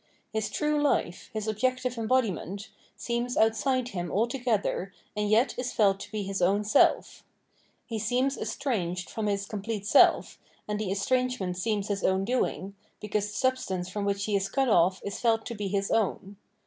His true life, his objective embodiment, seems outside him altogether and yet is felt to be his own self. He seems "estranged'' from his complete self, and the estrangement seems his own doing, because the substance from which he is cut off is felt to be his own.